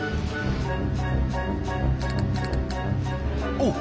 おっ！